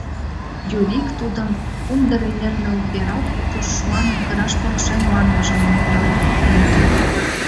Юрик тудын «Умдыр эҥер нӧлперат тушманым кыраш полшен» манмыжым нигунам ок мондо.